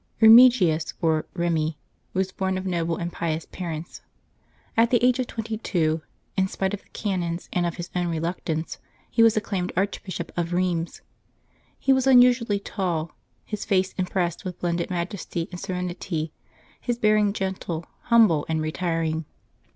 fiEMIGIUs, or Eemi, was born of noble and pious parents. At the age of twenty two, in spite of the canons and of his own reluctance, he was acclaimed Archbishop of Eheims. He was unusually tall, his face impressed with blended majesty and serenity, his bearing gentle, humble, and retiring.